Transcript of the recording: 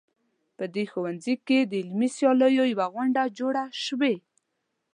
په دې ښوونځي کې د علمي سیالیو یوه غونډه جوړه شوې